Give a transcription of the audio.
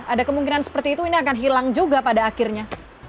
ada kemungkinan seperti itu ini akan hilang juga pada akhirnya